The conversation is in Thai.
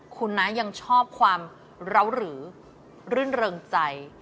คุณนะยังชอบความเหล้าหรือรื่นเริงใจ